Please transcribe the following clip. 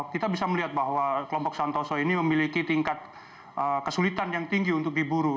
kita bisa melihat bahwa kelompok santoso ini memiliki tingkat kesulitan yang tinggi untuk diburu